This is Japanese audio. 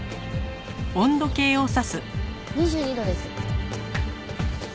２２度です。